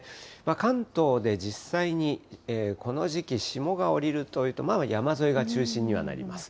関東で実際にこの時期、霜が降りるというと、山沿いが中心にはなります。